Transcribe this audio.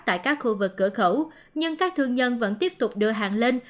tại các khu vực cửa khẩu nhưng các thương nhân vẫn tiếp tục đưa hàng lên